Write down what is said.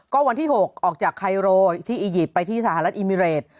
ก็วันที่๖ออกจากไคโรที่อียิปต์ไปที่สหรัฐอิมิเรต